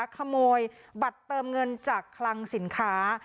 ขโมยบัตรเติมเงินจากคลังสินค้า